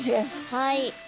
はい。